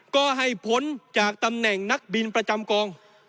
ก็ให้ผลจากตำแหน่งนักบินประจำกอง